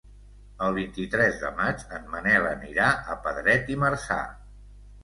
El vint-i-tres de maig en Manel anirà a Pedret i Marzà.